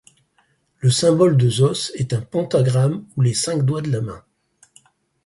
Le symbole de Zos est un pentagramme ou les cinq doigts de la main.